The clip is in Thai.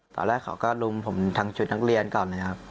ตอนแรกเขาก็ลุมผมทางชุดนักเรียนก่อนเลยครับ